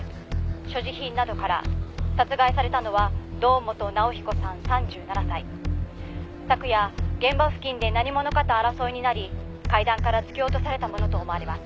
「所持品などから殺害されたのは堂本直彦さん３７歳」「昨夜現場付近で何者かと争いになり階段から突き落とされたものと思われます」